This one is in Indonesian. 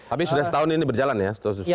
tapi sudah setahun ini berjalan ya